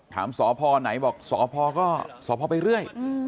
สพไหนบอกสพก็สพไปเรื่อย